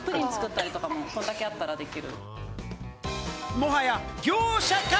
もはや業者か！？